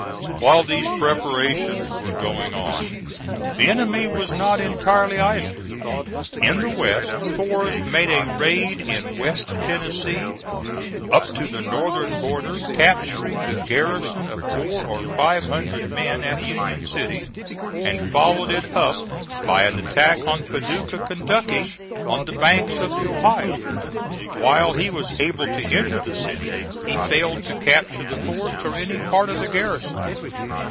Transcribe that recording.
While these preparations were going on the enemy was not entirely idle. In the West Forrest made a raid in West Tennessee up to the northern border, capturing the garrison of four or five hundred men at Union City, and followed it up by an attack on Paducah, Kentucky, on the banks of the Ohio. While he was able to enter the city he failed to capture the forts or any part of the garrison.